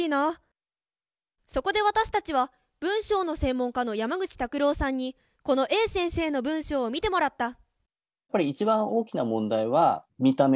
そこで私たちは文章の専門家の山口拓朗さんにこのＡ先生の文章を見てもらった